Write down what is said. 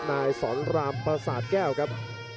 นายสอนรามประสาทแก้วครับ